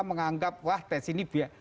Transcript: menganggap wah tes ini